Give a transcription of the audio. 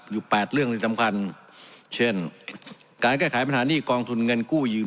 แปดเรื่องที่สำคัญเช่นการแก้ไขปัญหานี่กองทุนเงินกู้ยืม